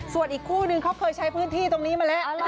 ส่วนอีกคู่นึงเขาเคยใช้พื้นที่ตรงนี้มาแล้ว